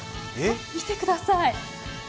見てください。